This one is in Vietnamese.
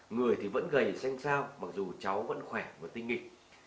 người thì vẫn gầy xanh sao mặc dù cháu vẫn khỏe và tinh nghịch